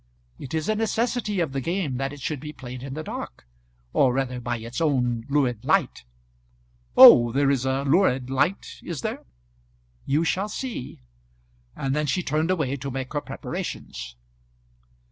It is a necessity of the game that it should be played in the dark, or rather by its own lurid light." "Oh, there is a lurid light; is there?" "You shall see;" and then she turned away to make her preparations.